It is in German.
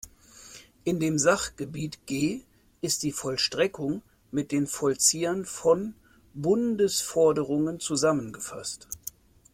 In dem Sachgebiet G ist die Vollstreckung mit den Vollziehern von Bundesforderungen zusammengefasst.